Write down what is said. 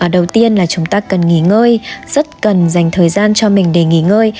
đầu tiên là chúng ta cần nghỉ ngơi rất cần dành thời gian cho mình để nghỉ ngơi